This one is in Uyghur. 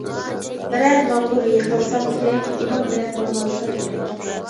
بېرەر ماغدۇر يىقىلساڭ تىرەك، ئىمان بىلەن نۇرلانسا يۈرەك.